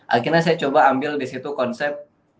akhirnya saya coba ambil disitu konsep